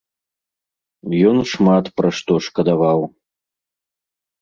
Ён шмат пра што шкадаваў.